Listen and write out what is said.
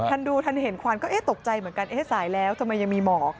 ทันดูทันเห็นควันปกติเหมือนกันสายแล้วทำไมยังมีหมอก